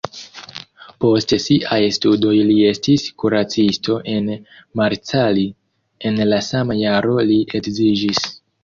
Post siaj studoj li estis kuracisto en Marcali, en la sama jaro li edziĝis.